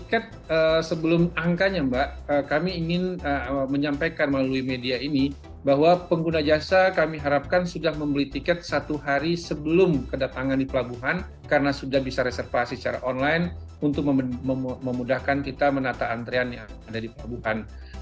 cap sebelum angkanya mbak kami ingin menyampaikan melalui media ini bahwa pengguna jasa kami harapkan sudah membeli tiket satu hari sebelum kedatangan di pelabuhan karena sudah bisa reservasi secara online untuk memudahkan kita menata antrian yang ada di pelabuhan